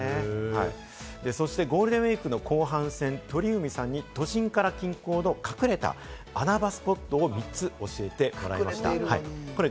そしてゴールデンウイークの後半戦、鳥海さんに都心から隠れた穴場スポットを３つ教えてもらいました。